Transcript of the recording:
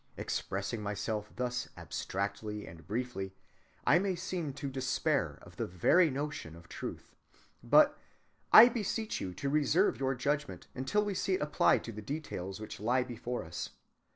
Expressing myself thus abstractly and briefly, I may seem to despair of the very notion of truth. But I beseech you to reserve your judgment until we see it applied to the details which lie before us.